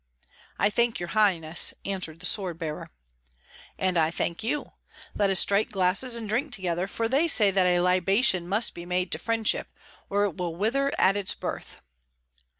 "I thank your highness," answered the sword bearer. "And I thank you. Let us strike glasses and drink together, for they say that a libation must be made to friendship, or it will wither at its birth."